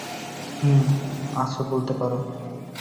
হুম, আছে বলতে পারো।